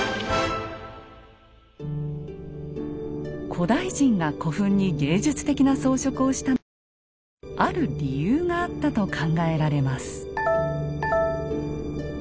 古代人が古墳に芸術的な装飾をしたのにはある理由があったと考えられます。